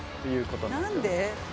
何で？